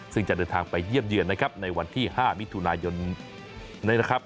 ซึ่งจะเดินทางไปเยี่ยมเยือนนะครับในวันที่๕มิถุนายนนี้นะครับ